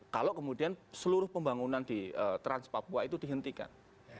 kalau kemudian seluruh pembangunan di trans papua itu dihentikan